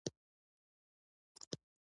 د افغانستان په منظره کې د کابل سیند ښکاره ښکاري.